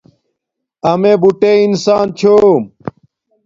امیے بوٹے انسان چھوم